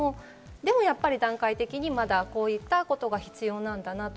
でもやっぱり段階的にこういったことが必要なんだなと。